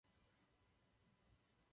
Seriál má dvě řady.